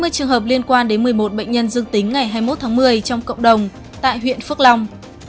sáu mươi trường hợp liên quan đến một mươi một bệnh nhân dương tính ngày hai mươi một tháng một mươi trong cộng đồng tại huyện phước long